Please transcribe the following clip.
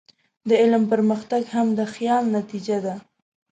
د علم پرمختګ هم د خیال نتیجه ده.